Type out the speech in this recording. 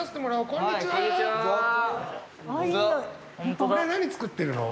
これ何作ってるの？